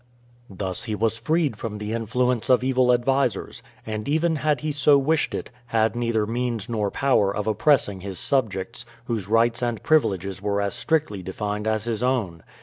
Thus he was freed from the influence of evil advisers, and even had he so wished it, had neither means nor power of oppressing his subjects, whose rights and privileges were as strictly defined as his own.